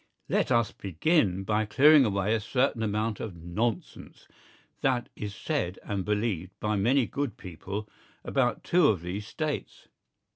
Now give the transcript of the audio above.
Let us begin by clearing away a certain amount of nonsense that is said and believed by many good people about two of these States.